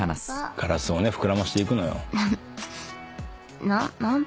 ガラスをね膨らませていくのよ。